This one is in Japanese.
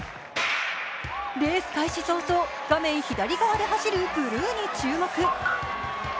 レース開始早々、画面左側で走るブルーに注目。